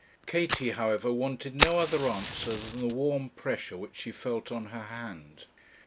Katie, however, wanted no other answer than the warm pressure which she felt on her hand.